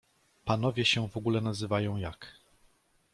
Panowie się w ogóle nazywają jak?